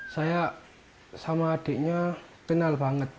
saya sama adiknya kenal banget